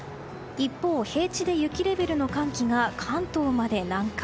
一方、平地で雪レベルの寒気が関東まで南下。